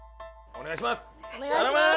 お願いします！